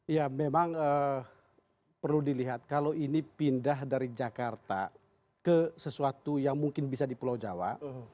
ya memang perlu dilihat kalau ini pindah dari jakarta ke sesuatu yang mungkin bisa di pulau jawa